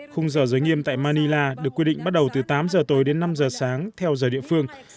khung giờ giới nghiêm tại manila được quy định bắt đầu từ tám giờ tối đến năm giờ sáng theo giờ địa phương